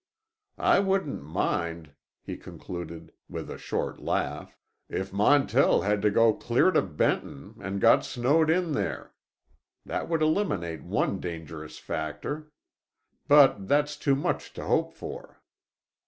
I wouldn't mind," he concluded, with a short laugh, "if Montell had to go clear to Benton, and got snowed in there. That would eliminate one dangerous factor. But that's too much to hope for."